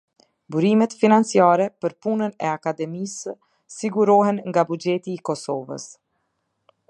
Burimet financiare për punën e Akademisë sigurohen nga Buxheti i Kosovës.